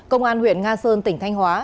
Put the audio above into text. công an huyện nga sơn tỉnh thanh hóa